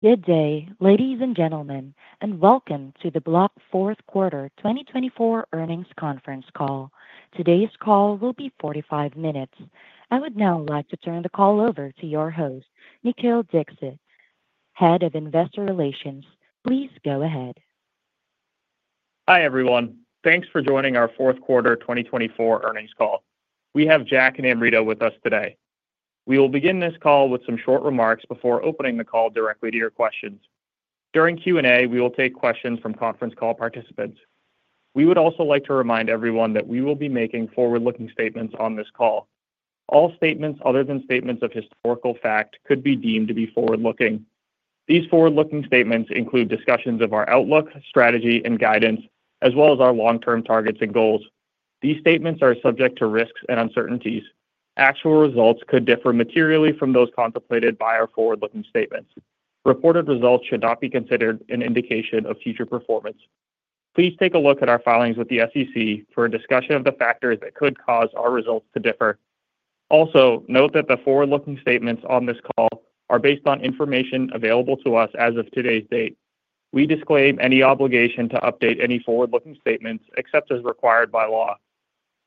Good day, ladies and gentlemen, and welcome to the Block Fourth Quarter 2024 Earnings Conference Call. Today's call will be 45 minutes. I would now like to turn the call over to your host, Nikhil Dixit, Head of Investor Relations. Please go ahead. Hi everyone, thanks for joining our Fourth Quarter 2024 Earnings Call. We have Jack and Amrita with us today. We will begin this call with some short remarks before opening the call directly to your questions. During Q&A, we will take questions from conference call participants. We would also like to remind everyone that we will be making forward-looking statements on this call. All statements other than statements of historical fact could be deemed to be forward-looking. These forward-looking statements include discussions of our outlook, strategy, and guidance, as well as our long-term targets and goals. These statements are subject to risks and uncertainties. Actual results could differ materially from those contemplated by our forward-looking statements. Reported results should not be considered an indication of future performance. Please take a look at our filings with the SEC for a discussion of the factors that could cause our results to differ. Also, note that the forward-looking statements on this call are based on information available to us as of today's date. We disclaim any obligation to update any forward-looking statements except as required by law.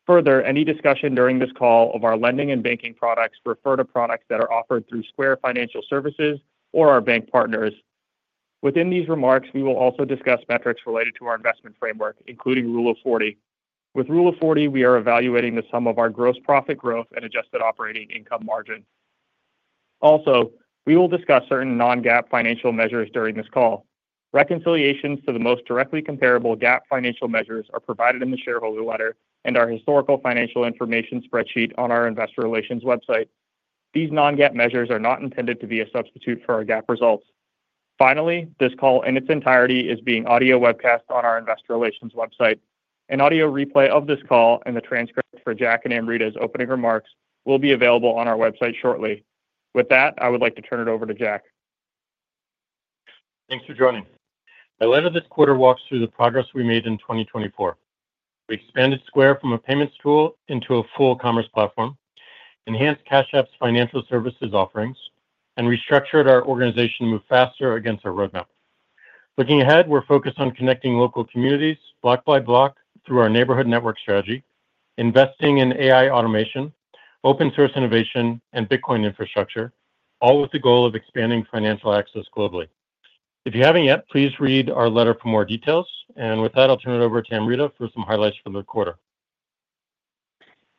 Further, any discussion during this call of our lending and banking products refer to products that are offered through Square Financial Services or our bank partners. Within these remarks, we will also discuss metrics related to our investment framework, including Rule of 40. With Rule of 40, we are evaluating the sum of our gross profit growth and adjusted operating income margin. Also, we will discuss certain non-GAAP financial measures during this call. Reconciliations to the most directly comparable GAAP financial measures are provided in the shareholder letter and our historical financial information spreadsheet on our Investor Relations website. These non-GAAP measures are not intended to be a substitute for our GAAP results. Finally, this call in its entirety is being audio webcast on our Investor Relations website. An audio replay of this call and the transcript for Jack and Amrita's opening remarks will be available on our website shortly. With that, I would like to turn it over to Jack. Thanks for joining. I'll lead off this quarter's walkthrough of the progress we made in 2024. We expanded Square from a payments tool into a full commerce platform, enhanced Cash App's financial services offerings, and restructured our organization to move faster against our roadmap. Looking ahead, we're focused on connecting local communities block by block through our Neighborhood Network strategy, investing in AI automation, open source innovation, and Bitcoin infrastructure, all with the goal of expanding financial access globally. If you haven't yet, please read our letter for more details, and with that, I'll turn it over to Amrita for some highlights for the quarter.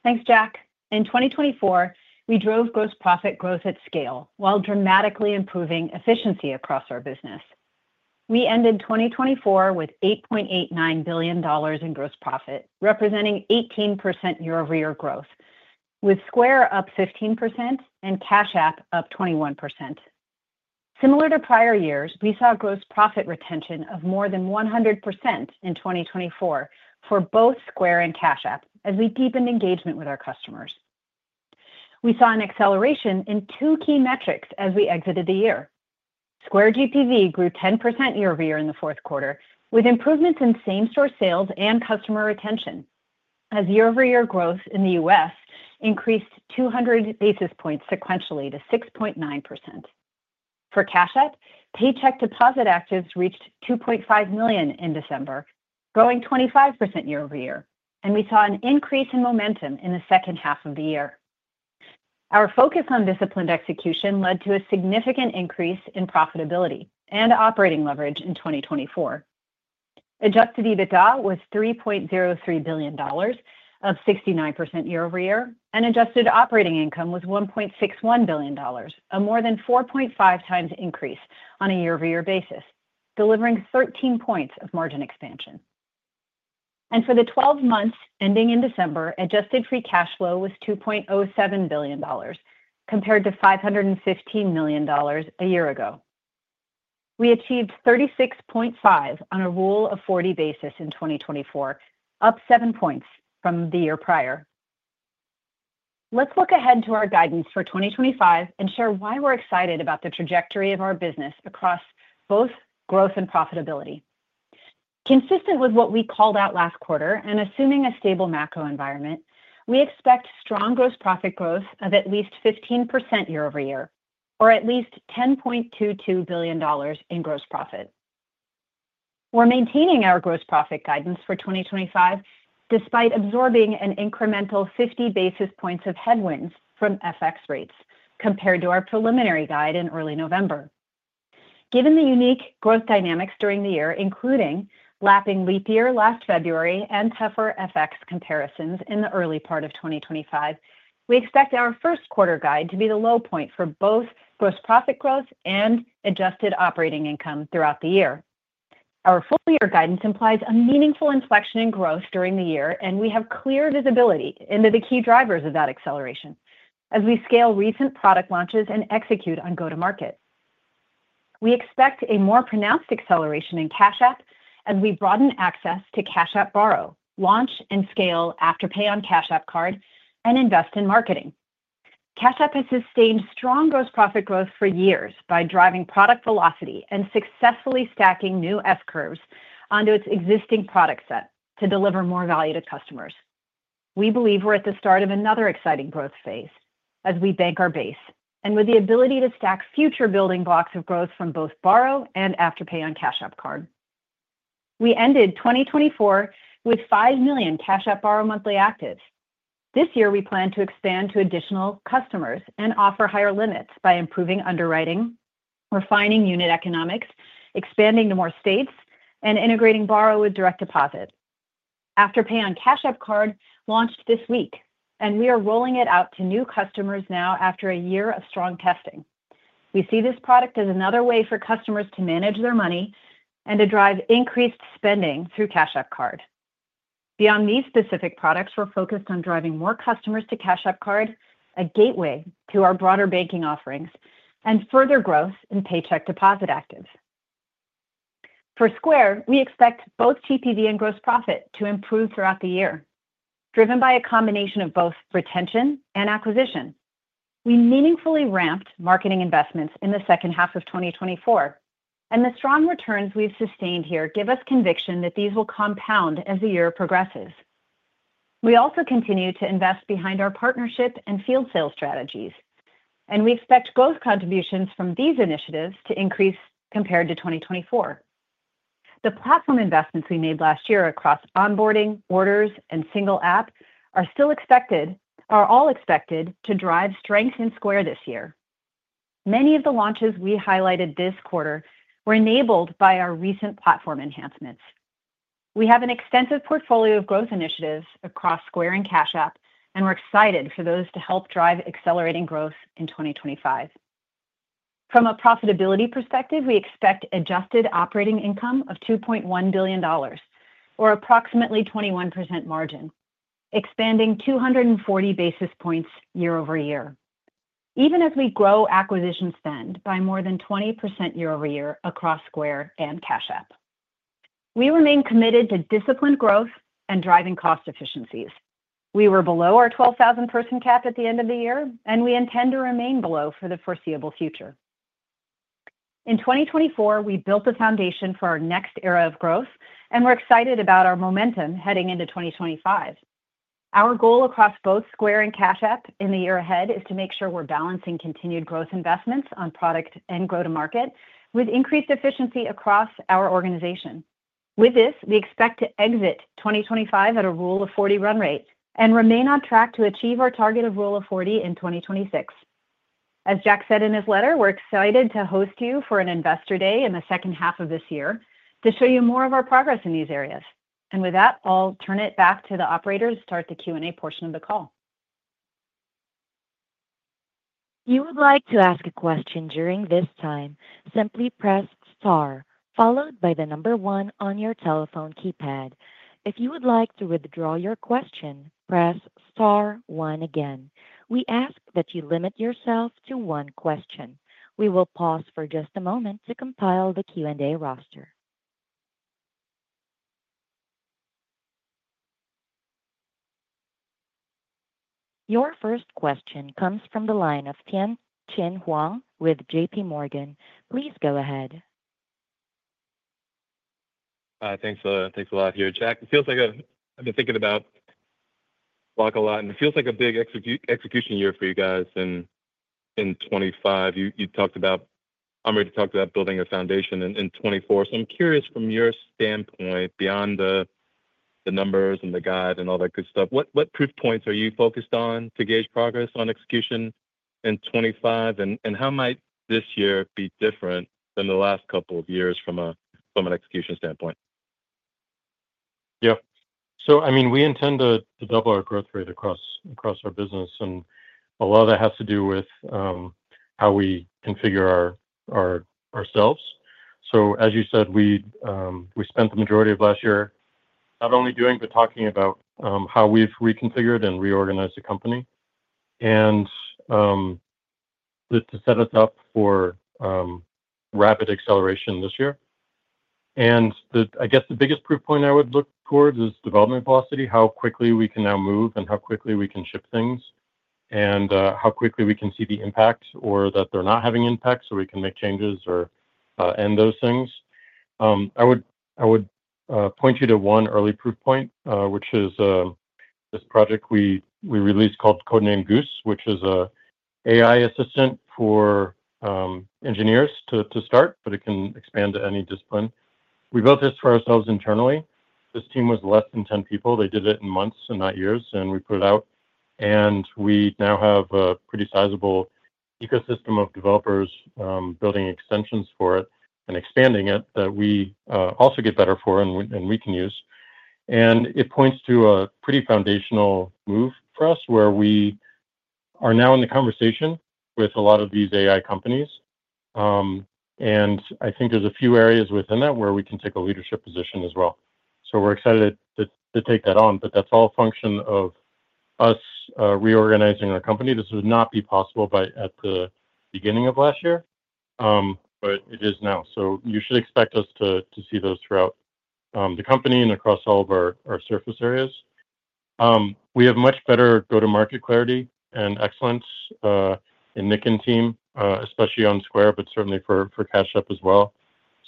Thanks, Jack. In 2024, we drove gross profit growth at scale while dramatically improving efficiency across our business. We ended 2024 with $8.89 billion in gross profit, representing 18% year-over-year growth, with Square up 15% and Cash App up 21%. Similar to prior years, we saw gross profit retention of more than 100% in 2024 for both Square and Cash App as we deepened engagement with our customers. We saw an acceleration in two key metrics as we exited the year. Square GPV grew 10% year-over-year in the fourth quarter, with improvements in same-store sales and customer retention, as year-over-year growth in the U.S. increased 200 basis points sequentially to 6.9%. For Cash App, paycheck deposit actives reached 2.5 million in December, growing 25% year-over-year, and we saw an increase in momentum in the second half of the year. Our focus on disciplined execution led to a significant increase in profitability and operating leverage in 2024. Adjusted EBITDA was $3.03 billion, up 69% year-over-year, and Adjusted Operating Income was $1.61 billion, a more than 4.5 times increase on a year-over-year basis, delivering 13 points of margin expansion. And for the 12 months ending in December, adjusted free cash flow was $2.07 billion, compared to $515 million a year ago. We achieved 36.5 on a Rule of 40 basis in 2024, up seven points from the year prior. Let's look ahead to our guidance for 2025 and share why we're excited about the trajectory of our business across both growth and profitability. Consistent with what we called out last quarter, and assuming a stable macro environment, we expect strong gross profit growth of at least 15% year-over-year, or at least $10.22 billion in gross profit. We're maintaining our gross profit guidance for 2025 despite absorbing an incremental 50 basis points of headwinds from FX rates compared to our preliminary guide in early November. Given the unique growth dynamics during the year, including lapping leap year last February and tougher FX comparisons in the early part of 2025, we expect our first quarter guide to be the low point for both gross profit growth and adjusted operating income throughout the year. Our full year guidance implies a meaningful inflection in growth during the year, and we have clear visibility into the key drivers of that acceleration as we scale recent product launches and execute on go-to-market. We expect a more pronounced acceleration in Cash App as we broaden access to Cash App Borrow, launch, and scale Afterpay on Cash App Card and invest in marketing. Cash App has sustained strong gross profit growth for years by driving product velocity and successfully stacking new S-curves onto its existing product set to deliver more value to customers. We believe we're at the start of another exciting growth phase as we bank our base and with the ability to stack future building blocks of growth from both Borrow and Afterpay on Cash App Card. We ended 2024 with 5 million Cash App Borrow monthly actives. This year, we plan to expand to additional customers and offer higher limits by improving underwriting, refining unit economics, expanding to more states, and integrating Borrow with direct deposit. Afterpay on Cash App Card launched this week, and we are rolling it out to new customers now after a year of strong testing. We see this product as another way for customers to manage their money and to drive increased spending through Cash App Card. Beyond these specific products, we're focused on driving more customers to Cash App Card, a gateway to our broader banking offerings, and further growth in paycheck deposit activity. For Square, we expect both GPV and gross profit to improve throughout the year, driven by a combination of both retention and acquisition. We meaningfully ramped marketing investments in the second half of 2024, and the strong returns we've sustained here give us conviction that these will compound as the year progresses. We also continue to invest behind our partnership and field sales strategies, and we expect growth contributions from these initiatives to increase compared to 2024. The platform investments we made last year across onboarding, orders, and single app are still expected, are all expected to drive strength in Square this year. Many of the launches we highlighted this quarter were enabled by our recent platform enhancements. We have an extensive portfolio of growth initiatives across Square and Cash App, and we're excited for those to help drive accelerating growth in 2025. From a profitability perspective, we expect Adjusted Operating Income of $2.1 billion, or approximately 21% margin, expanding 240 basis points year-over-year, even as we grow acquisition spend by more than 20% year-over-year across Square and Cash App. We remain committed to disciplined growth and driving cost efficiencies. We were below our 12,000-person cap at the end of the year, and we intend to remain below for the foreseeable future. In 2024, we built the foundation for our next era of growth, and we're excited about our momentum heading into 2025. Our goal across both Square and Cash App in the year ahead is to make sure we're balancing continued growth investments on product and go-to-market with increased efficiency across our organization. With this, we expect to exit 2025 at a Rule of 40 run rate and remain on track to achieve our target of Rule of 40 in 2026. As Jack said in his letter, we're excited to host you for an investor day in the second half of this year to show you more of our progress in these areas, and with that, I'll turn it back to the operators to start the Q&A portion of the call. If you would like to ask a question during this time, simply press star, followed by the number one on your telephone keypad. If you would like to withdraw your question, press star one again. We ask that you limit yourself to one question. We will pause for just a moment to compile the Q&A roster. Your first question comes from the line of Tien-tsin Huang with J.P. Morgan. Please go ahead. Thanks a lot here, Jack. It feels like I've been thinking about a lot and it feels like a big execution year for you guys in 2025. You talked about, Amrita talked about building a foundation in 2024. So I'm curious from your standpoint, beyond the numbers and the guide and all that good stuff, what proof points are you focused on to gauge progress on execution in 2025? And how might this year be different than the last couple of years from an execution standpoint? Yeah. So I mean, we intend to double our growth rate across our business, and a lot of that has to do with how we configure ourselves. So as you said, we spent the majority of last year not only doing, but talking about how we've reconfigured and reorganized the company and to set us up for rapid acceleration this year. And I guess the biggest proof point I would look towards is development velocity, how quickly we can now move and how quickly we can ship things and how quickly we can see the impact or that they're not having impact so we can make changes or end those things. I would point you to one early proof point, which is this project we released called Codename Goose, which is an AI assistant for engineers to start, but it can expand to any discipline. We built this for ourselves internally. This team was less than 10 people. They did it in months and not years, and we put it out. And we now have a pretty sizable ecosystem of developers building extensions for it and expanding it that we also get better for and we can use. And it points to a pretty foundational move for us where we are now in the conversation with a lot of these AI companies. And I think there's a few areas within that where we can take a leadership position as well. So we're excited to take that on, but that's all a function of us reorganizing our company. This would not be possible at the beginning of last year, but it is now. So you should expect us to see those throughout the company and across all of our surface areas. We have much better go-to-market clarity and excellence in Nick and team, especially on Square, but certainly for Cash App as well,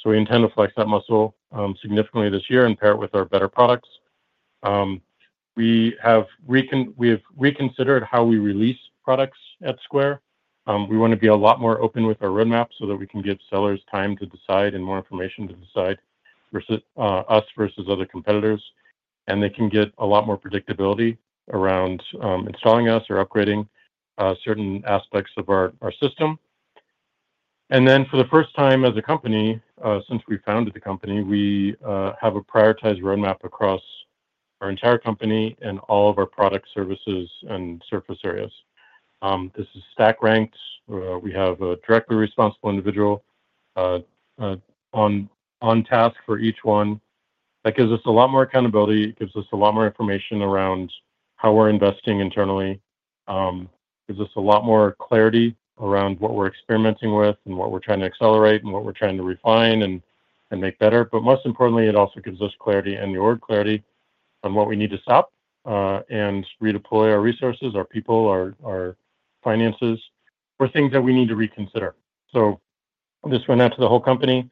so we intend to flex that muscle significantly this year and pair it with our better products. We have reconsidered how we release products at Square. We want to be a lot more open with our roadmap so that we can give sellers time to decide and more information to decide us versus other competitors, and they can get a lot more predictability around installing us or upgrading certain aspects of our system, and then for the first time as a company, since we founded the company, we have a prioritized roadmap across our entire company and all of our product services and surface areas. This is stack ranked. We have a directly responsible individual on task for each one. That gives us a lot more accountability. It gives us a lot more information around how we're investing internally. It gives us a lot more clarity around what we're experimenting with and what we're trying to accelerate and what we're trying to refine and make better. But most importantly, it also gives us clarity and the word clarity on what we need to stop and redeploy our resources, our people, our finances, or things that we need to reconsider. So this went out to the whole company,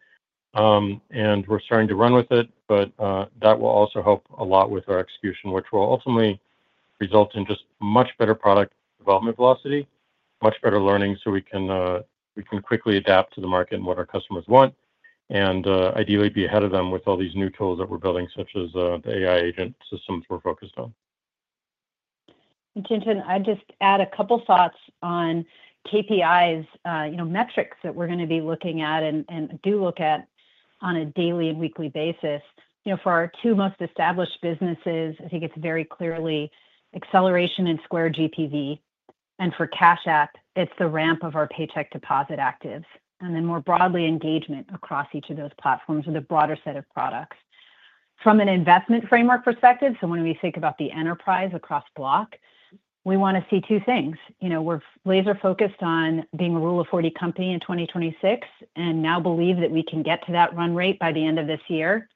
and we're starting to run with it, but that will also help a lot with our execution, which will ultimately result in just much better product development velocity, much better learning so we can quickly adapt to the market and what our customers want, and ideally be ahead of them with all these new tools that we're building, such as the AI agent systems we're focused on. Tien-tsin, I'd just add a couple of thoughts on KPIs, metrics that we're going to be looking at and do look at on a daily and weekly basis. For our two most established businesses, I think it's very clearly acceleration in Square GPV. And for Cash App, it's the ramp of our paycheck deposit actives. And then more broadly, engagement across each of those platforms with a broader set of products. From an investment framework perspective, so when we think about the enterprise across Block, we want to see two things. We're laser-focused on being a Rule of 40 company in 2026 and now believe that we can get to that run rate by the end of this year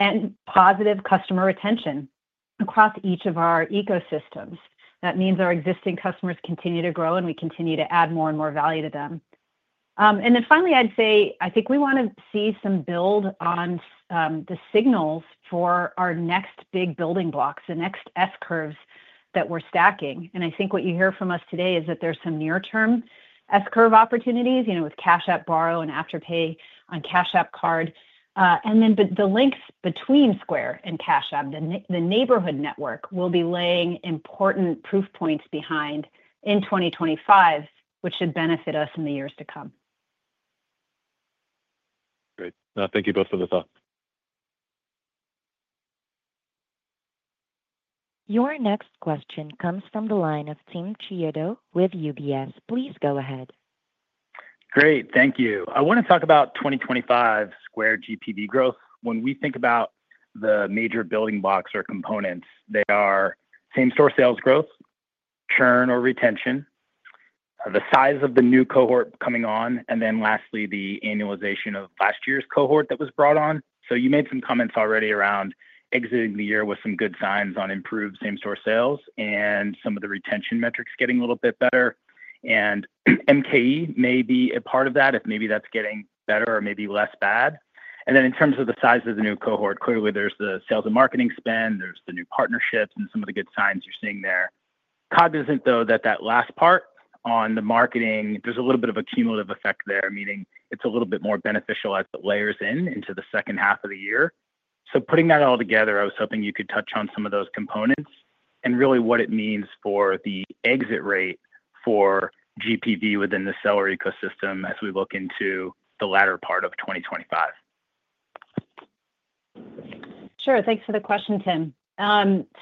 and positive customer retention across each of our ecosystems. That means our existing customers continue to grow and we continue to add more and more value to them. And then finally, I'd say I think we want to see some build on the signals for our next big building blocks, the next S-curves that we're stacking. And I think what you hear from us today is that there's some near-term S-curve opportunities with Cash App Borrow and Afterpay on Cash App Card. And then the links between Square and Cash App, the Neighborhood Network will be laying important proof points behind in 2025, which should benefit us in the years to come. Great. Thank you both for the thought. Your next question comes from the line of Tim Chiodo with UBS. Please go ahead. Great. Thank you. I want to talk about 2025 Square GPV growth. When we think about the major building blocks or components, they are same-store sales growth, churn or retention, the size of the new cohort coming on, and then lastly, the annualization of last year's cohort that was brought on. So you made some comments already around exiting the year with some good signs on improved same-store sales and some of the retention metrics getting a little bit better. And MKE may be a part of that if maybe that's getting better or maybe less bad. And then in terms of the size of the new cohort, clearly there's the sales and marketing spend, there's the new partnerships, and some of the good signs you're seeing there. Cognizant, though, that that last part on the marketing, there's a little bit of a cumulative effect there, meaning it's a little bit more beneficial as it layers in into the second half of the year. So putting that all together, I was hoping you could touch on some of those components and really what it means for the exit rate for GPV within the seller ecosystem as we look into the latter part of 2025. Sure. Thanks for the question, Tim.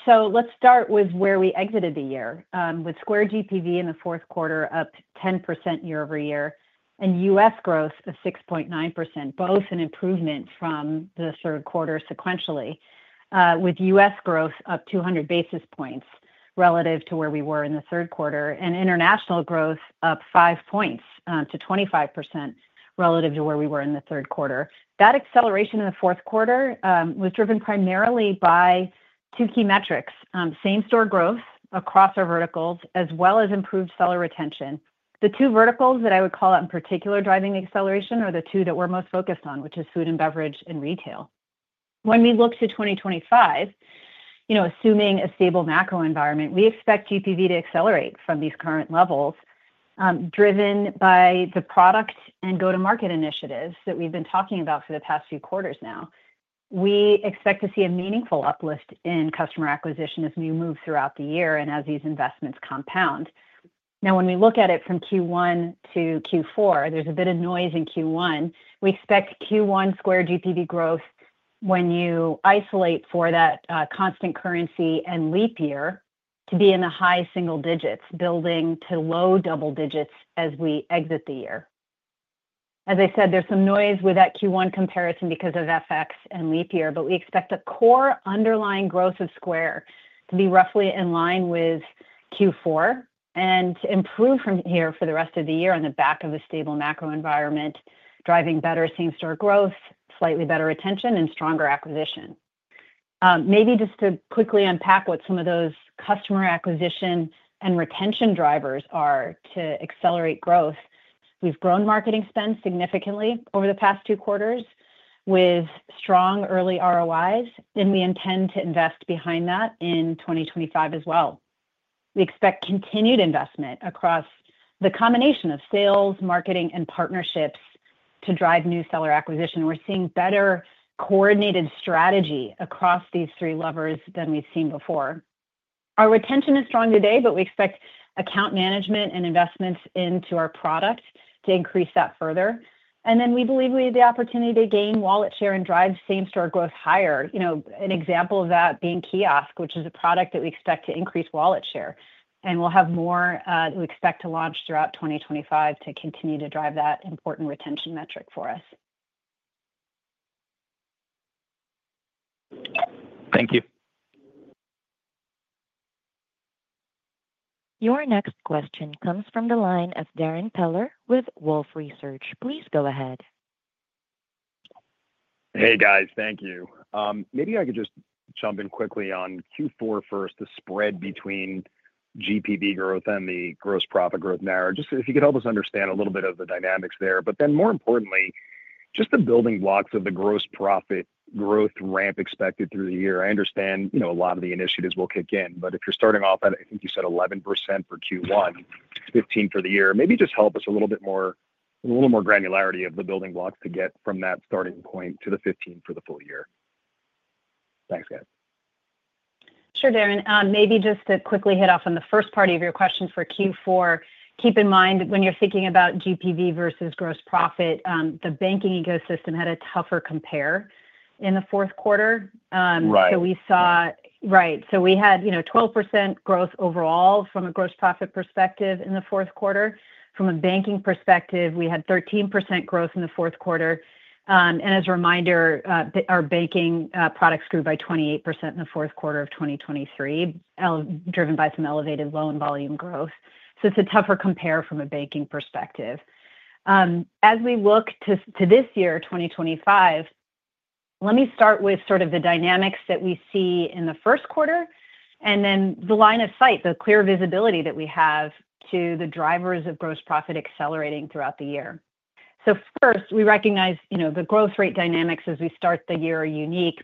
So let's start with where we exited the year with Square GPV in the fourth quarter up 10% year-over-year and U.S. growth of 6.9%, both an improvement from the third quarter sequentially, with U.S. growth up 200 basis points relative to where we were in the third quarter and international growth up five points to 25% relative to where we were in the third quarter. That acceleration in the fourth quarter was driven primarily by two key metrics: same-store growth across our verticals as well as improved seller retention. The two verticals that I would call out in particular driving the acceleration are the two that we're most focused on, which is food and beverage and retail. When we look to 2025, assuming a stable macro environment, we expect GPV to accelerate from these current levels driven by the product and go-to-market initiatives that we've been talking about for the past few quarters now. We expect to see a meaningful uplift in customer acquisition as we move throughout the year and as these investments compound. Now, when we look at it from Q1 to Q4, there's a bit of noise in Q1. We expect Q1 Square GPV growth when you isolate for that constant currency and leap year to be in the high single digits, building to low double digits as we exit the year. As I said, there's some noise with that Q1 comparison because of FX and leap year, but we expect the core underlying growth of Square to be roughly in line with Q4 and to improve from here for the rest of the year on the back of a stable macro environment, driving better same-store growth, slightly better retention, and stronger acquisition. Maybe just to quickly unpack what some of those customer acquisition and retention drivers are to accelerate growth, we've grown marketing spend significantly over the past two quarters with strong early ROIs, and we intend to invest behind that in 2025 as well. We expect continued investment across the combination of sales, marketing, and partnerships to drive new seller acquisition. We're seeing better coordinated strategy across these three levers than we've seen before. Our retention is strong today, but we expect account management and investments into our product to increase that further. And then we believe we have the opportunity to gain wallet share and drive same-store growth higher. An example of that being Kiosk, which is a product that we expect to increase wallet share. And we'll have more that we expect to launch throughout 2025 to continue to drive that important retention metric for us. Thank you. Your next question comes from the line of Darrin Peller with Wolfe Research. Please go ahead. Hey, guys. Thank you. Maybe I could just jump in quickly on Q4 first, the spread between GPV growth and the gross profit growth narrowing, just if you could help us understand a little bit of the dynamics there. But then more importantly, just the building blocks of the gross profit growth ramp expected through the year. I understand a lot of the initiatives will kick in, but if you're starting off at, I think you said 11% for Q1, 15% for the year, maybe just help us a little bit more granularity of the building blocks to get from that starting point to the 15% for the full year. Thanks, guys. Sure, Darren. Maybe just to quickly touch on the first part of your question for Q4, keep in mind when you're thinking about GPV versus gross profit, the banking ecosystem had a tougher compare in the fourth quarter. Right. So we saw, right. We had 12% growth overall from a gross profit perspective in the fourth quarter. From a banking perspective, we had 13% growth in the fourth quarter. And as a reminder, our banking product grew by 28% in the fourth quarter of 2023, driven by some elevated loan volume growth. So it's a tougher compare from a banking perspective. As we look to this year, 2025, let me start with sort of the dynamics that we see in the first quarter and then the line of sight, the clear visibility that we have to the drivers of gross profit accelerating throughout the year. So first, we recognize the growth rate dynamics as we start the year are unique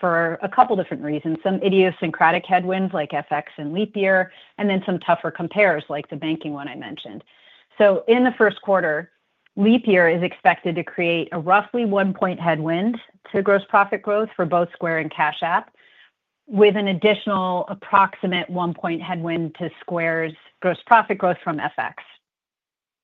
for a couple of different reasons, some idiosyncratic headwinds like FX and leap year, and then some tougher compares like the banking one I mentioned. In the first quarter, leap year is expected to create a roughly one-point headwind to gross profit growth for both Square and Cash App, with an additional approximate one-point headwind to Square's gross profit growth from FX.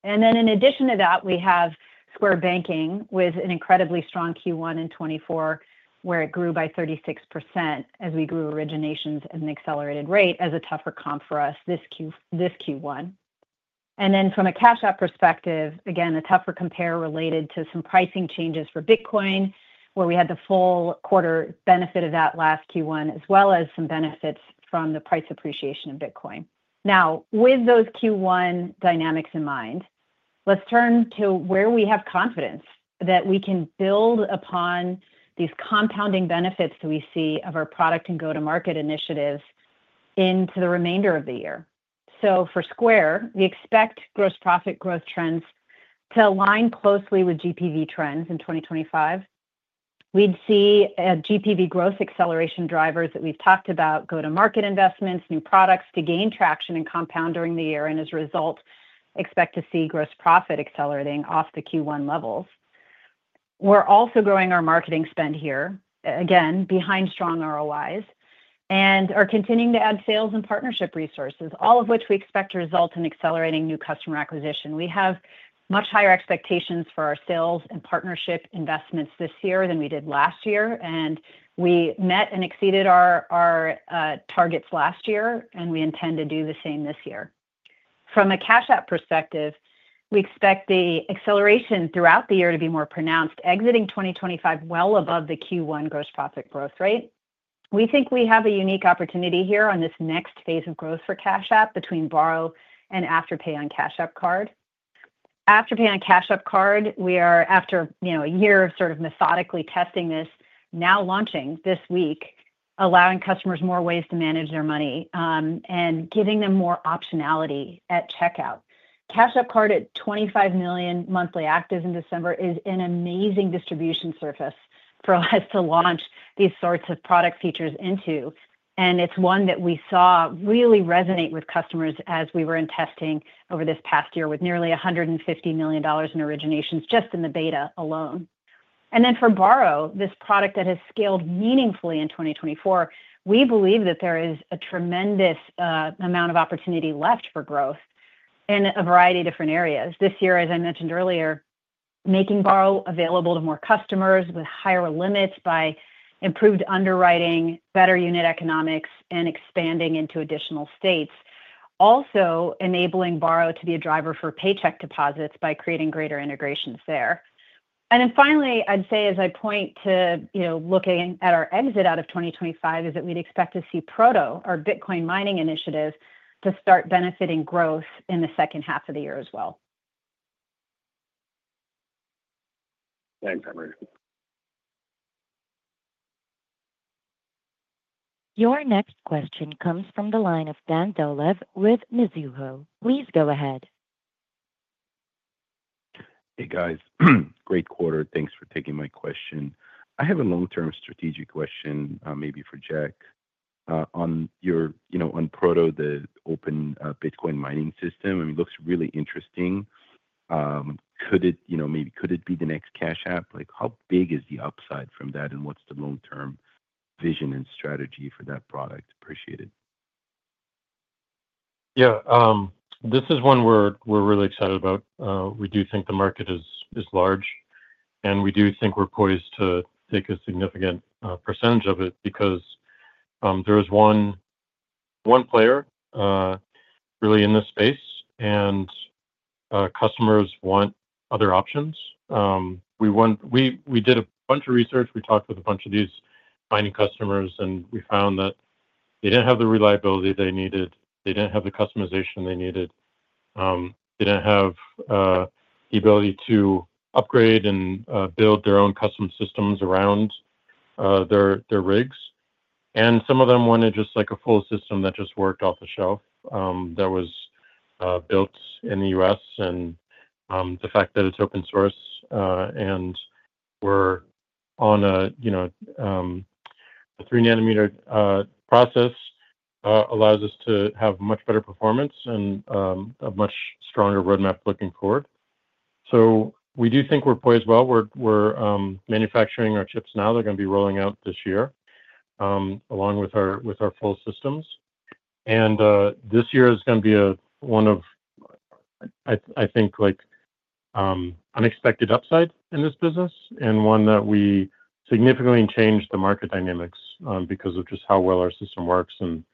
And then in addition to that, we have Square Banking with an incredibly strong Q1 in 2024, where it grew by 36% as we grew originations at an accelerated rate as a tougher comp for us this Q1. And then from a Cash App perspective, again, a tougher compare related to some pricing changes for Bitcoin, where we had the full quarter benefit of that last Q1, as well as some benefits from the price appreciation of Bitcoin. Now, with those Q1 dynamics in mind, let's turn to where we have confidence that we can build upon these compounding benefits that we see of our product and go-to-market initiatives into the remainder of the year. So for Square, we expect gross profit growth trends to align closely with GPV trends in 2025. We'd see GPV growth acceleration drivers that we've talked about, go-to-market investments, new products to gain traction and compound during the year, and as a result, expect to see gross profit accelerating off the Q1 levels. We're also growing our marketing spend here, again, behind strong ROIs, and are continuing to add sales and partnership resources, all of which we expect to result in accelerating new customer acquisition. We have much higher expectations for our sales and partnership investments this year than we did last year, and we met and exceeded our targets last year, and we intend to do the same this year. From a Cash App perspective, we expect the acceleration throughout the year to be more pronounced, exiting 2025 well above the Q1 gross profit growth rate. We think we have a unique opportunity here on this next phase of growth for Cash App between Borrow and Afterpay on Cash App Card. Afterpay on Cash App Card, we are after a year of sort of methodically testing this, now launching this week, allowing customers more ways to manage their money and giving them more optionality at checkout. Cash App Card at 25 million monthly actives in December is an amazing distribution surface for us to launch these sorts of product features into. And it's one that we saw really resonate with customers as we were in testing over this past year with nearly $150 million in originations just in the beta alone. And then for Borrow, this product that has scaled meaningfully in 2024, we believe that there is a tremendous amount of opportunity left for growth in a variety of different areas. This year, as I mentioned earlier, making Borrow available to more customers with higher limits by improved underwriting, better unit economics, and expanding into additional states, also enabling Borrow to be a driver for paycheck deposits by creating greater integrations there. And then finally, I'd say as I point to looking at our exit out of 2025 is that we'd expect to see Proto, our Bitcoin mining initiative, to start benefiting growth in the second half of the year as well. Thanks, Amrita. Your next question comes from the line of Dan Dolev with Mizuho. Please go ahead. Hey, guys. Great quarter. Thanks for taking my question. I have a long-term strategic question, maybe for Jack, on Proto, the open Bitcoin mining system. I mean, it looks really interesting. Maybe could it be the next Cash App? How big is the upside from that, and what's the long-term vision and strategy for that product? Appreciate it. Yeah. This is one we're really excited about. We do think the market is large, and we do think we're poised to take a significant percentage of it because there is one player really in this space, and customers want other options. We did a bunch of research. We talked with a bunch of these mining customers, and we found that they didn't have the reliability they needed. They didn't have the customization they needed. They didn't have the ability to upgrade and build their own custom systems around their rigs. And some of them wanted just a full system that just worked off the shelf that was built in the U.S., and the fact that it's open source and we're on a 3 nm process allows us to have much better performance and a much stronger roadmap looking forward. So we do think we're poised well. We're manufacturing our chips now. They're going to be rolling out this year along with our full systems, and this year is going to be one of, I think, unexpected upside in this business and one that we significantly changed the market dynamics because of just how well our system works and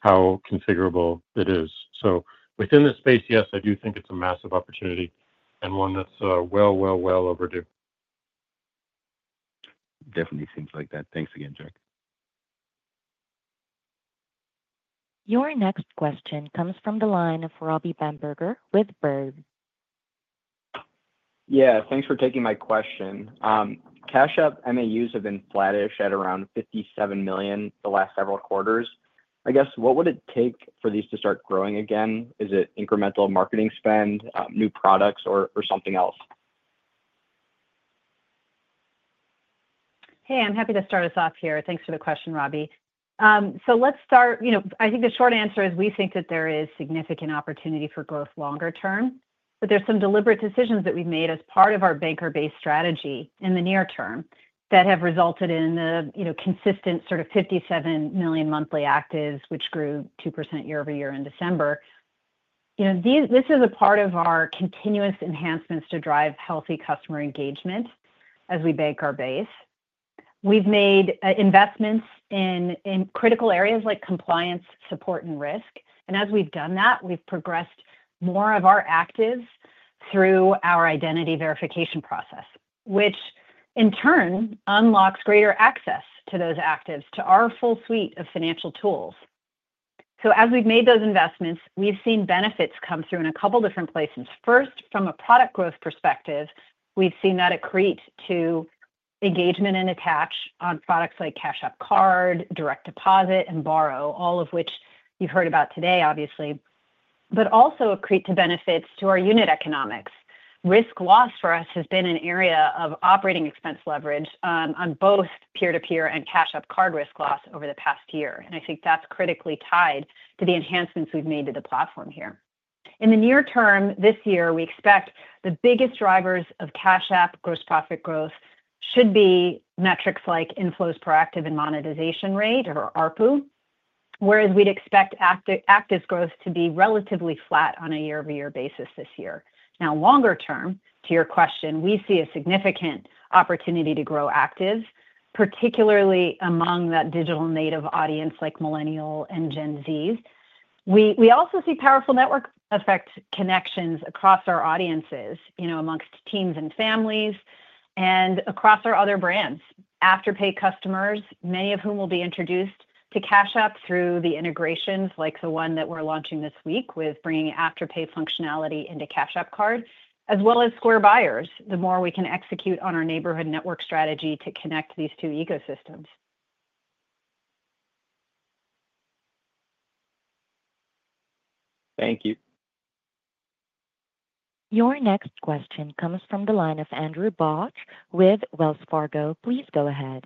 how configurable it is, so within this space, yes, I do think it's a massive opportunity and one that's well, well, well overdue. Definitely seems like that. Thanks again, Jack. Your next question comes from the line of Robby Bamberger with Berenberg. Yeah. Thanks for taking my question. Cash App MAUs have been flattish at around 57 million the last several quarters. I guess, what would it take for these to start growing again? Is it incremental marketing spend, new products, or something else? Hey, I'm happy to start us off here. Thanks for the question, Robby. So let's start. I think the short answer is we think that there is significant opportunity for growth longer term, but there's some deliberate decisions that we've made as part of our Bank our Base strategy in the near term that have resulted in the consistent sort of 57 million monthly actives, which grew 2% year-over-year in December. This is a part of our continuous enhancements to drive healthy customer engagement as we bank our base. We've made investments in critical areas like compliance, support, and risk. And as we've done that, we've progressed more of our actives through our identity verification process, which in turn unlocks greater access to those actives, to our full suite of financial tools. So as we've made those investments, we've seen benefits come through in a couple of different places. First, from a product growth perspective, we've seen that accrete to engagement and attach on products like Cash App Card, direct deposit, and Borrow, all of which you've heard about today, obviously, but also accrete to benefits to our unit economics. Risk loss for us has been an area of operating expense leverage on both peer-to-peer and Cash App Card risk loss over the past year, and I think that's critically tied to the enhancements we've made to the platform here. In the near term this year, we expect the biggest drivers of Cash App gross profit growth should be metrics like inflows per active and monetization rate, or ARPU, whereas we'd expect active growth to be relatively flat on a year-over-year basis this year. Now, longer term, to your question, we see a significant opportunity to grow actives, particularly among that digital native audience like millennials and Gen Zs. We also see powerful network effect connections across our audiences amongst teams and families and across our other brands. Afterpay customers, many of whom will be introduced to Cash App through the integrations like the one that we're launching this week with bringing Afterpay functionality into Cash App Card, as well as Square buyers, the more we can execute on our Neighborhood Network strategy to connect these two ecosystems. Thank you. Your next question comes from the line of Andrew Bauch with Wells Fargo. Please go ahead.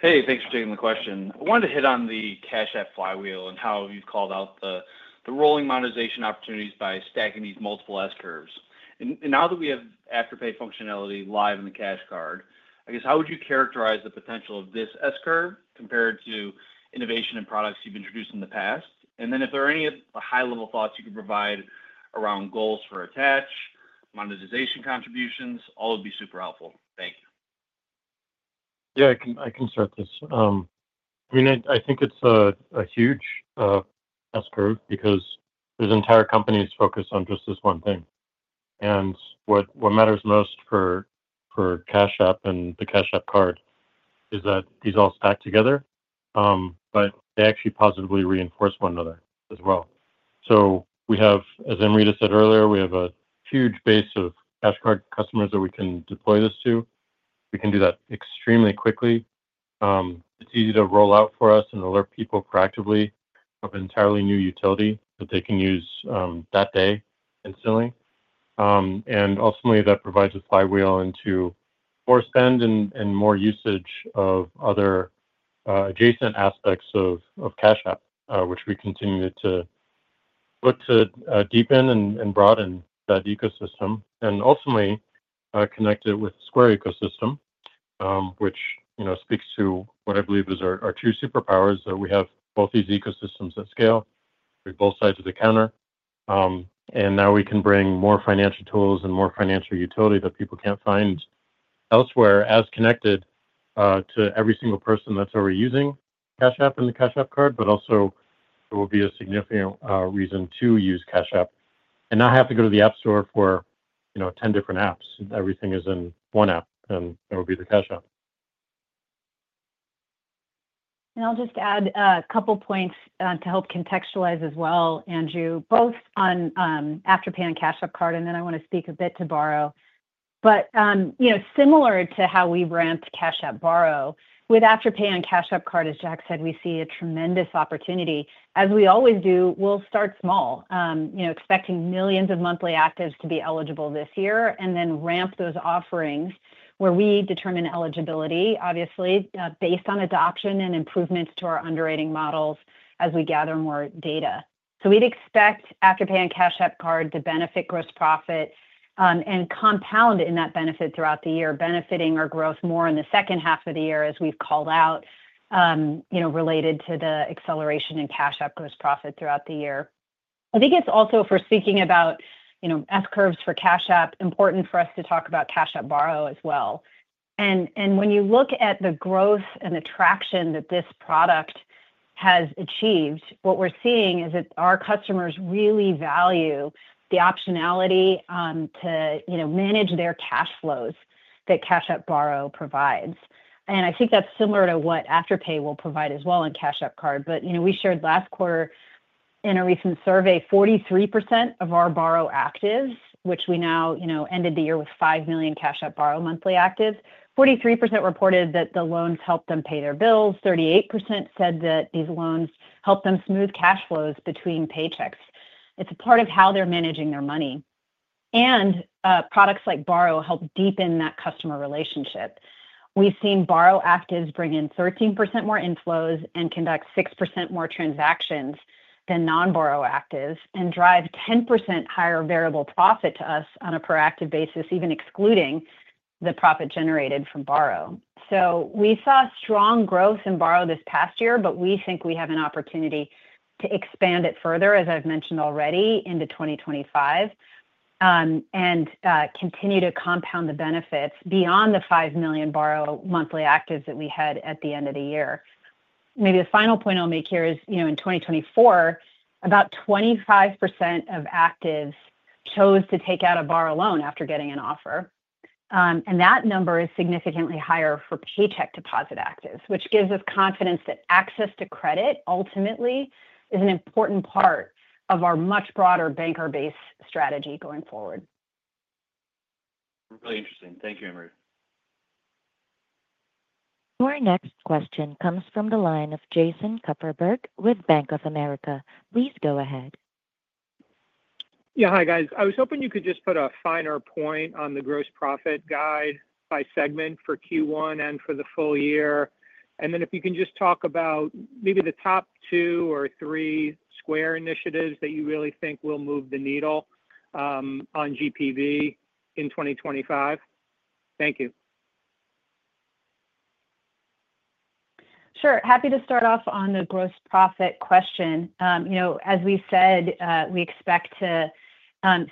Hey, thanks for taking the question. I wanted to hit on the Cash App flywheel and how you've called out the rolling monetization opportunities by stacking these multiple S curves. And now that we have Afterpay functionality live in the Cash App Card, I guess, how would you characterize the potential of this S curve compared to innovation and products you've introduced in the past? And then if there are any high-level thoughts you can provide around goals for attach, monetization contributions, all would be super helpful. Thank you. Yeah, I can start this. I mean, I think it's a huge S-curve because there's entire companies focused on just this one thing. And what matters most for Cash App and the Cash App Card is that these all stack together, but they actually positively reinforce one another as well. So we have, as Amrita just said earlier, we have a huge base of Cash Card customers that we can deploy this to. We can do that extremely quickly. It's easy to roll out for us and alert people proactively of entirely new utility that they can use that day instantly. Ultimately, that provides a flywheel into more spend and more usage of other adjacent aspects of Cash App, which we continue to look to deepen and broaden that ecosystem, and ultimately connect it with the Square ecosystem, which speaks to what I believe is our two superpowers that we have both these ecosystems at scale with both sides of the counter. Now we can bring more financial tools and more financial utility that people can't find elsewhere as connected to every single person that's already using Cash App and the Cash App Card, but also it will be a significant reason to use Cash App and not have to go to the App Store for 10 different apps. Everything is in one app, and that will be the Cash App. I'll just add a couple of points to help contextualize as well, Andrew, both on Afterpay and Cash App Card, and then I want to speak a bit to Borrow. But similar to how we ramp Cash App Borrow, with Afterpay and Cash App Card, as Jack said, we see a tremendous opportunity. As we always do, we'll start small, expecting millions of monthly actives to be eligible this year, and then ramp those offerings where we determine eligibility, obviously, based on adoption and improvements to our underwriting models as we gather more data. So we'd expect Afterpay and Cash App Card to benefit gross profit and compound in that benefit throughout the year, benefiting our growth more in the second half of the year, as we've called out related to the acceleration in Cash App gross profit throughout the year. I think it's also, if we're speaking about S curves for Cash App, important for us to talk about Cash App Borrow as well. And when you look at the growth and the traction that this product has achieved, what we're seeing is that our customers really value the optionality to manage their cash flows that Cash App Borrow provides. And I think that's similar to what Afterpay will provide as well in Cash App Card. But we shared last quarter in a recent survey, 43% of our Borrow actives, which we now ended the year with 5 million Cash App Borrow monthly actives, 43% reported that the loans helped them pay their bills. 38% said that these loans helped them smooth cash flows between paychecks. It's a part of how they're managing their money. And products like Borrow help deepen that customer relationship. We've seen Borrow actives bring in 13% more inflows and conduct 6% more transactions than non-borrow actives and drive 10% higher variable profit to us on a per active basis, even excluding the profit generated from borrow. So we saw strong growth in borrow this past year, but we think we have an opportunity to expand it further, as I've mentioned already, into 2025 and continue to compound the benefits beyond the five million borrow monthly actives that we had at the end of the year. Maybe the final point I'll make here is in 2024, about 25% of actives chose to take out a borrow loan after getting an offer, and that number is significantly higher for paycheck deposit actives, which gives us confidence that access to credit ultimately is an important part of our much broader Bank our Base strategy going forward. Really interesting. Thank you, Amrita. Your next question comes from the line of Jason Kupferberg with Bank of America. Please go ahead. Yeah, hi, guys. I was hoping you could just put a finer point on the gross profit guide by segment for Q1 and for the full year. And then if you can just talk about maybe the top two or three Square initiatives that you really think will move the needle on GPV in 2025. Thank you. Sure. Happy to start off on the gross profit question. As we said, we expect to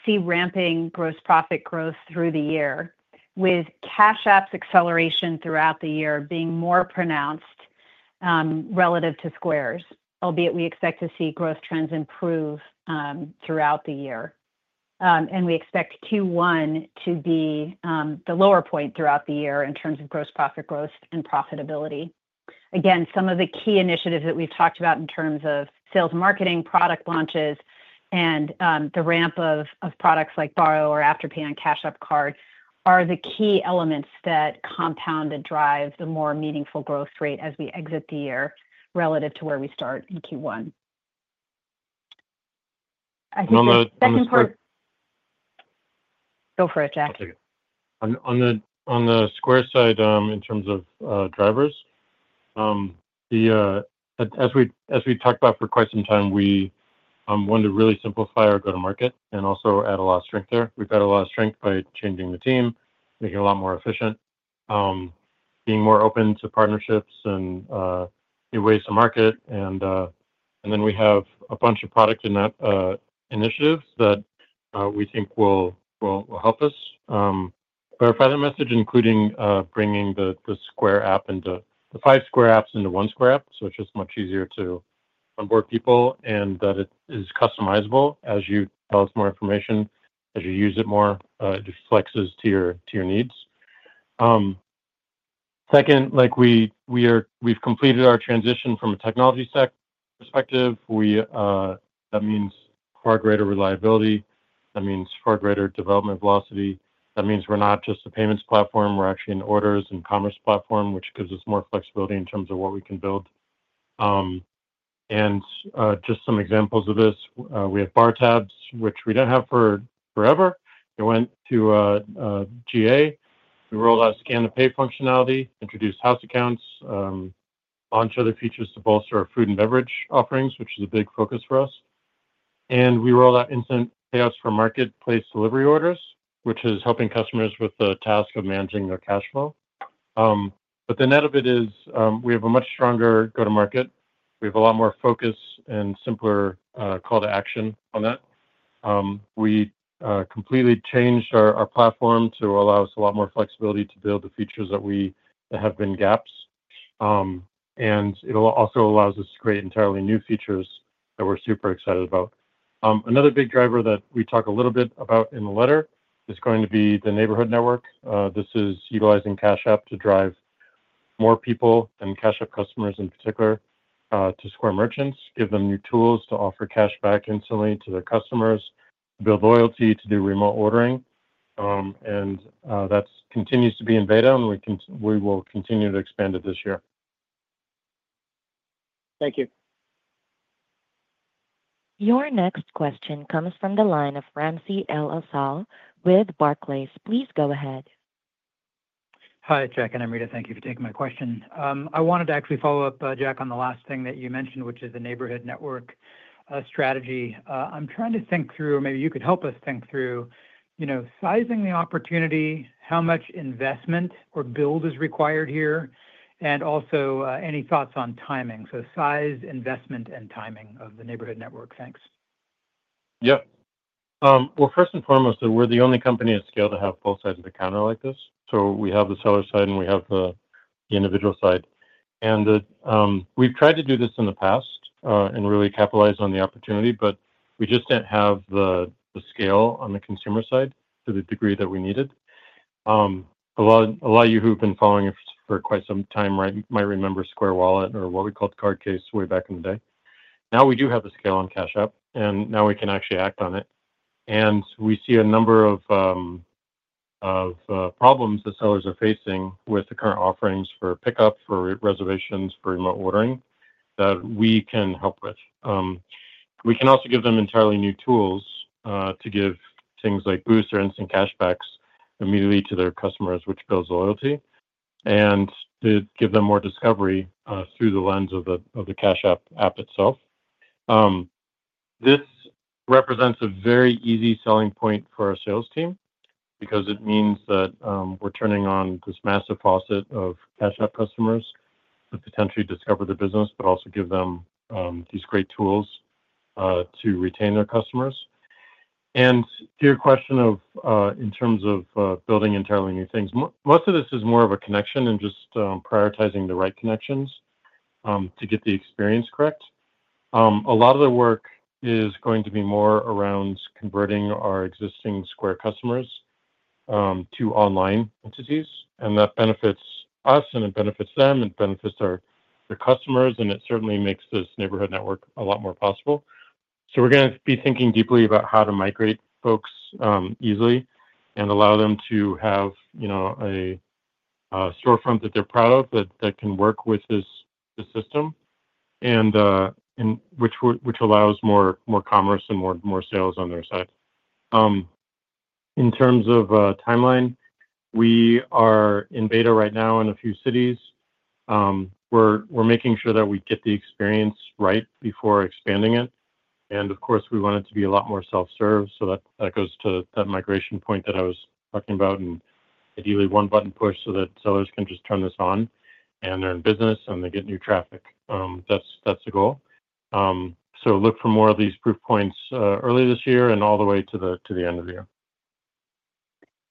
see ramping gross profit growth through the year, with Cash App's acceleration throughout the year being more pronounced relative to Square's, albeit we expect to see growth trends improve throughout the year. And we expect Q1 to be the lower point throughout the year in terms of gross profit growth and profitability. Again, some of the key initiatives that we've talked about in terms of sales and marketing, product launches, and the ramp of products like borrow or Afterpay and Cash App Card are the key elements that compound and drive the more meaningful growth rate as we exit the year relative to where we start in Q1. I think the second part. On the. Go for it, Jack. On the Square side, in terms of drivers, as we talked about for quite some time, we wanted to really simplify our go-to-market and also add a lot of strength there. We've added a lot of strength by changing the team, making it a lot more efficient, being more open to partnerships and new ways to market. And then we have a bunch of product-in-app initiatives that we think will help us clarify that message, including bringing the Square app into the five Square apps into one Square app. So it's just much easier to onboard people and that it is customizable as you tell us more information, as you use it more, it reflects to your needs. Second, we've completed our transition from a technology perspective. That means far greater reliability. That means far greater development velocity. That means we're not just a payments platform. We're actually an orders and commerce platform, which gives us more flexibility in terms of what we can build. And just some examples of this, we have bar tabs, which we didn't have forever. It went to GA. We rolled out Scan to Pay functionality, introduced house accounts, launched other features to bolster our food and beverage offerings, which is a big focus for us. And we rolled out instant payouts for marketplace delivery orders, which is helping customers with the task of managing their cash flow. But the net of it is we have a much stronger go-to-market. We have a lot more focus and simpler call-to-action on that. We completely changed our platform to allow us a lot more flexibility to build the features that have been gaps. And it also allows us to create entirely new features that we're super excited about. Another big driver that we talk a little bit about in the letter is going to be the Neighborhood Network. This is utilizing Cash App to drive more people and Cash App customers in particular to Square merchants, give them new tools to offer cash back instantly to their customers, build loyalty to do remote ordering, and that continues to be in beta, and we will continue to expand it this year. Thank you. Your next question comes from the line of Ramsey El-Assal with Barclays. Please go ahead. Hi, Jack and Amrita. Thank you for taking my question. I wanted to actually follow up, Jack, on the last thing that you mentioned, which is the Neighborhood Network strategy. I'm trying to think through, or maybe you could help us think through, sizing the opportunity, how much investment or build is required here, and also any thoughts on timing. So size, investment, and timing of the Neighborhood Network. Thanks. Yeah. Well, first and foremost, we're the only company at scale to have both sides of the counter like this. So we have the seller side, and we have the individual side. And we've tried to do this in the past and really capitalize on the opportunity, but we just didn't have the scale on the consumer side to the degree that we needed. A lot of you who've been following us for quite some time might remember Square Wallet or what we called CardCase way back in the day. Now we do have the scale on Cash App, and now we can actually act on it. And we see a number of problems that sellers are facing with the current offerings for pickup, for reservations, for remote ordering that we can help with. We can also give them entirely new tools to give things like boosts or instant cash backs immediately to their customers, which builds loyalty, and to give them more discovery through the lens of the Cash App app itself. This represents a very easy selling point for our sales team because it means that we're turning on this massive faucet of Cash App customers to potentially discover the business, but also give them these great tools to retain their customers, and to your question of in terms of building entirely new things, most of this is more of a connection and just prioritizing the right connections to get the experience correct. A lot of the work is going to be more around converting our existing Square customers to online entities. That benefits us, and it benefits them, and it benefits our customers, and it certainly makes this Neighborhood Network a lot more possible. So we're going to be thinking deeply about how to migrate folks easily and allow them to have a storefront that they're proud of that can work with this system, which allows more commerce and more sales on their side. In terms of timeline, we are in beta right now in a few cities. We're making sure that we get the experience right before expanding it. And of course, we want it to be a lot more self-served. So that goes to that migration point that I was talking about and ideally one-button push so that sellers can just turn this on, and they're in business, and they get new traffic. That's the goal. So look for more of these proof points early this year and all the way to the end of the year.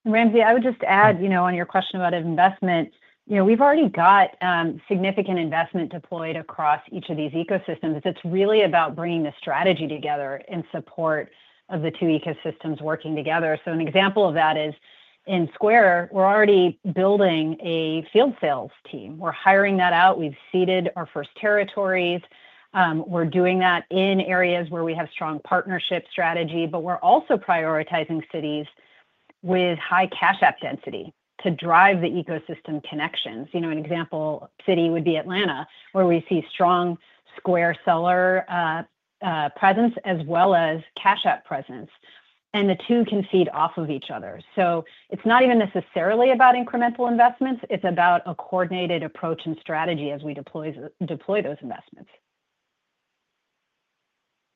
Ramsey, I would just add on your question about investment. We've already got significant investment deployed across each of these ecosystems. It's really about bringing the strategy together in support of the two ecosystems working together. So an example of that is in Square, we're already building a field sales team. We're hiring that out. We've seeded our first territories. We're doing that in areas where we have strong partnership strategy, but we're also prioritizing cities with high Cash App density to drive the ecosystem connections. An example city would be Atlanta, where we see strong Square seller presence as well as Cash App presence. And the two can feed off of each other. So it's not even necessarily about incremental investments. It's about a coordinated approach and strategy as we deploy those investments.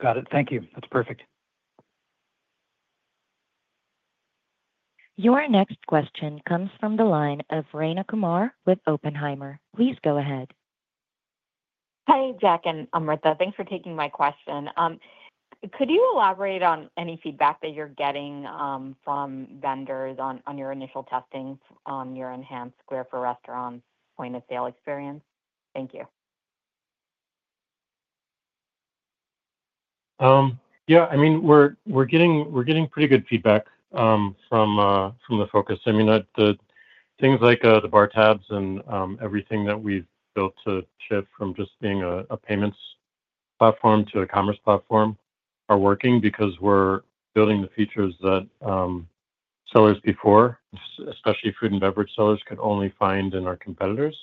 Got it. Thank you. That's perfect. Your next question comes from the line of Rayna Kumar with Oppenheimer. Please go ahead. Hi, Jack and Amrita. Thanks for taking my question. Could you elaborate on any feedback that you're getting from vendors on your initial testing on your enhanced Square for Restaurants point-of-sale experience? Thank you. Yeah. I mean, we're getting pretty good feedback from the focus. I mean, things like the bar tabs and everything that we've built to shift from just being a payments platform to a commerce platform are working because we're building the features that sellers before, especially food and beverage sellers, could only find in our competitors,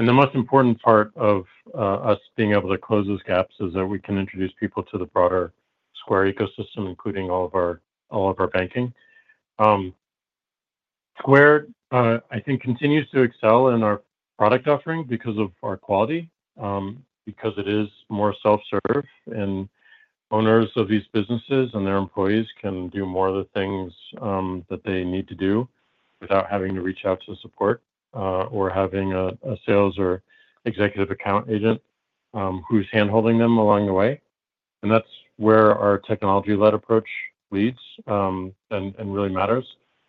and the most important part of us being able to close those gaps is that we can introduce people to the broader Square ecosystem, including all of our banking. Square, I think, continues to excel in our product offering because of our quality, because it is more self-serve, and owners of these businesses and their employees can do more of the things that they need to do without having to reach out to support or having a sales or executive account agent who's hand-holding them along the way. And that's where our technology-led approach leads and really matters.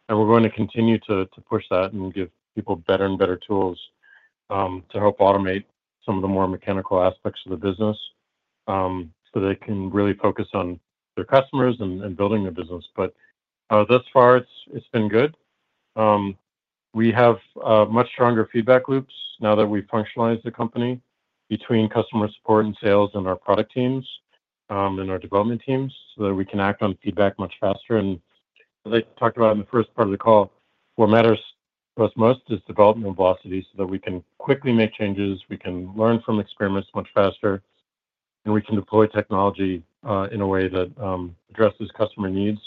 And we're going to continue to push that and give people better and better tools to help automate some of the more mechanical aspects of the business so they can really focus on their customers and building their business. But thus far, it's been good. We have much stronger feedback loops now that we've functionalized the company between customer support and sales and our product teams and our development teams so that we can act on feedback much faster. As I talked about in the first part of the call, what matters to us most is development velocity so that we can quickly make changes, we can learn from experiments much faster, and we can deploy technology in a way that addresses customer needs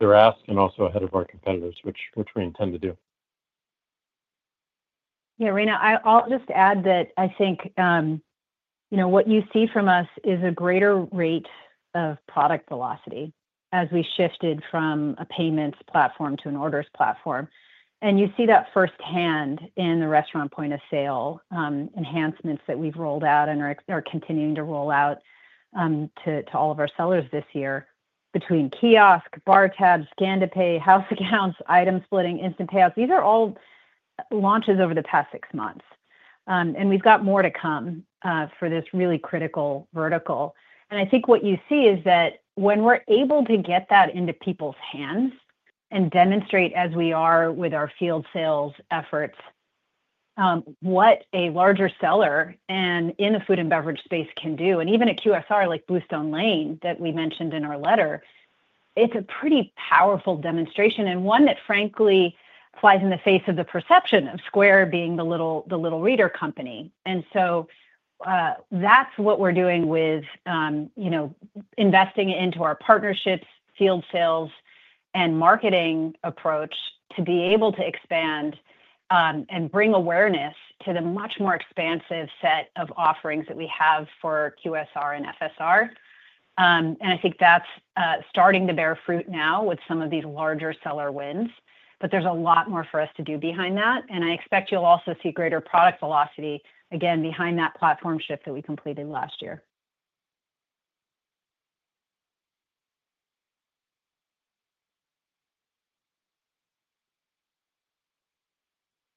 and hopefully predicts them ahead of their ask and also ahead of our competitors, which we intend to do. Yeah, Rayna, I'll just add that I think what you see from us is a greater rate of product velocity as we shifted from a payments platform to an orders platform. And you see that firsthand in the restaurant point-of-sale enhancements that we've rolled out and are continuing to roll out to all of our sellers this year between kiosk, bar tabs, Scan to Pay, house accounts, item splitting, instant payouts. These are all launches over the past six months. And we've got more to come for this really critical vertical. I think what you see is that when we're able to get that into people's hands and demonstrate as we are with our field sales efforts what a larger seller and in the food and beverage space can do, and even a QSR like Bluestone Lane that we mentioned in our letter, it's a pretty powerful demonstration and one that frankly flies in the face of the perception of Square being the little reader company. So that's what we're doing with investing into our partnerships, field sales, and marketing approach to be able to expand and bring awareness to the much more expansive set of offerings that we have for QSR and FSR. I think that's starting to bear fruit now with some of these larger seller wins. But there's a lot more for us to do behind that. I expect you'll also see greater product velocity again behind that platform shift that we completed last year.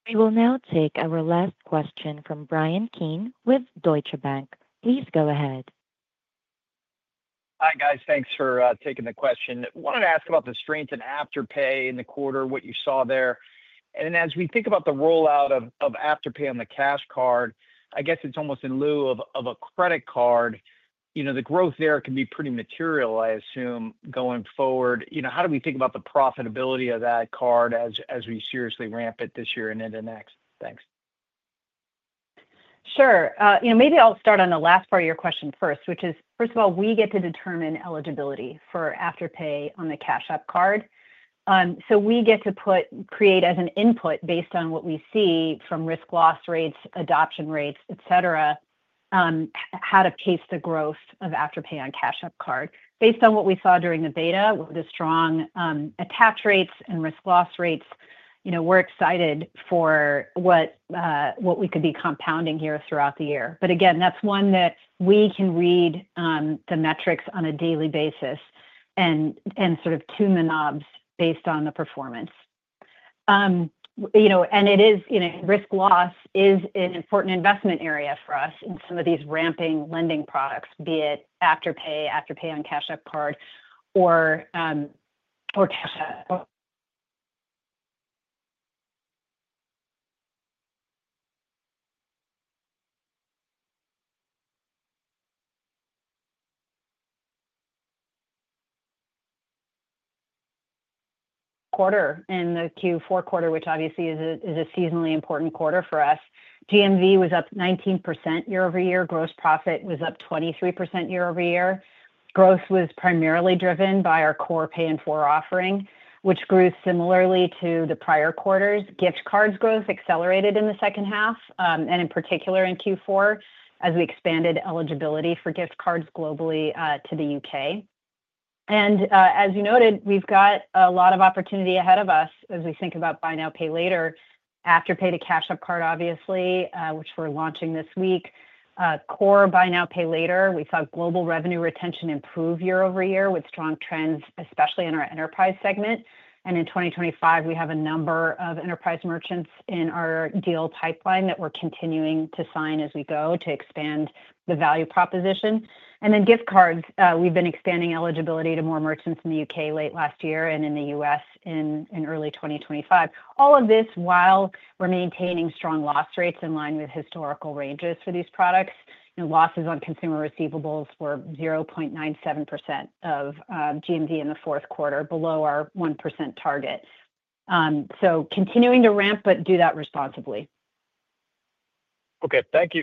We will now take our last question from Bryan Keane with Deutsche Bank. Please go ahead. Hi, guys. Thanks for taking the question. I wanted to ask about the strength in Afterpay in the quarter, what you saw there, and as we think about the rollout of Afterpay on the Cash Card, I guess it's almost in lieu of a credit card. The growth there can be pretty material, I assume, going forward. How do we think about the profitability of that card as we seriously ramp it this year and into next? Thanks. Sure. Maybe I'll start on the last part of your question first, which is, first of all, we get to determine eligibility for Afterpay on the Cash App Card. So we get to create as an input based on what we see from risk loss rates, adoption rates, etc., how to pace the growth of Afterpay on Cash App Card. Based on what we saw during the beta, with the strong attach rates and risk loss rates, we're excited for what we could be compounding here throughout the year. But again, that's one that we can read the metrics on a daily basis and sort of tune the knobs based on the performance. And risk loss is an important investment area for us in some of these ramping lending products, be it Afterpay, Afterpay on Cash App Card, or Cash App. Quarter and the Q4 quarter, which obviously is a seasonally important quarter for us. GMV was up 19% year-over-year. Gross profit was up 23% year-over-year. Growth was primarily driven by our core Pay in 4 offering, which grew similarly to the prior quarters. Gift cards growth accelerated in the second half, and in particular in Q4, as we expanded eligibility for gift cards globally to the U.K. And as you noted, we've got a lot of opportunity ahead of us as we think about buy now, pay later. Afterpay on Cash App Card, obviously, which we're launching this week. Core buy now, pay later. We saw global revenue retention improve year-over-year with strong trends, especially in our enterprise segment. And in 2025, we have a number of enterprise merchants in our deal pipeline that we're continuing to sign as we go to expand the value proposition. And then gift cards, we've been expanding eligibility to more merchants in the U.K. late last year and in the U.S. in early 2025. All of this while we're maintaining strong loss rates in line with historical ranges for these products. Losses on consumer receivables were 0.97% of GMV in the fourth quarter, below our 1% target. So continuing to ramp, but do that responsibly. Okay. Thank you.